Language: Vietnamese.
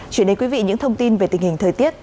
chuyển đến quý vị những thông tin về tình hình thời tiết